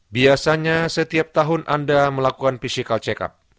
biasanya setiap tahun anda melakukan physical check up